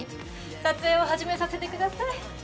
撮影を始めさせてください。